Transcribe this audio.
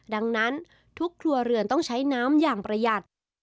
ดังนั้นทุกครัวเรือนต้องใช้น้ำอย่างประหยัด